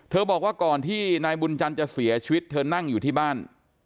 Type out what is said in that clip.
บอกว่าก่อนที่นายบุญจันทร์จะเสียชีวิตเธอนั่งอยู่ที่บ้าน